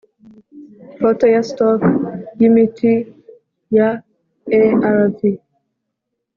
photo ya stock y imiti ya arv